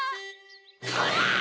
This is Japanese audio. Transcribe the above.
こら！